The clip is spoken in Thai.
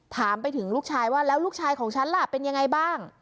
ถามไปถึงลูกชายว่าแล้วลูกชายของฉันล่ะเป็นยังไงบ้าง